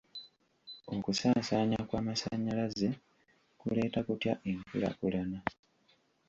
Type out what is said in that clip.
Okusaasaanya kw'amasannyalaze kuleeta kutya enkulaakulana?